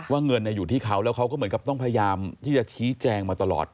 เงินอยู่ที่เขาแล้วเขาก็เหมือนกับต้องพยายามที่จะชี้แจงมาตลอด